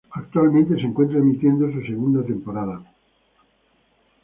Actualmente se encuentra emitiendo su segunda temporada.